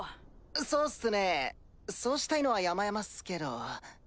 そうっすねそうしたいのはやまやまっすけど。